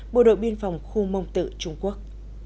bộ đội biên phòng khu mông tự trung quốc